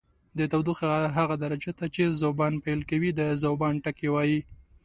د تودوخې هغه درجې ته چې ذوبان پیل کوي د ذوبان ټکی وايي.